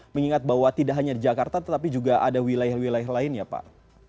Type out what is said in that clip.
mengingat bahwa tidak hanya di jakarta tetapi juga ada wilayah wilayah lain ya pak